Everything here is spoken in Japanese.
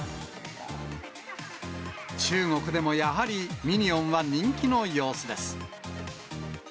中国でも、やはり、ミニオンは人気の様子です。